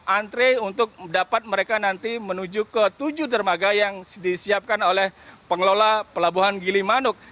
antre untuk dapat mereka nanti menuju ke tujuh dermaga yang disiapkan oleh pengelola pelabuhan gilimanuk